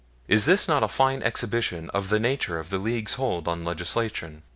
Is this not a fine exhibition of the nature of the League's hold on legislation?